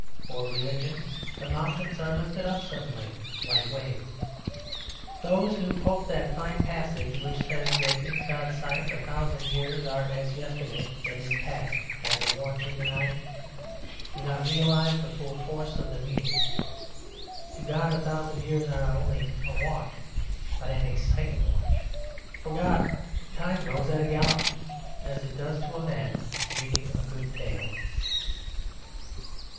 For religion the mountains are lifted up suddenly like waves. Those who quote that fine passage which says that in God's sight a thousand years are as yesterday that is passed as a watch in the night, do not realise the full force of the meaning. To God a thousand years are not only a watch but an exciting watch. For God time goes at a gallop, as it does to a man reading a good tale.